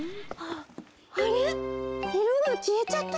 あれっ？いろがきえちゃった？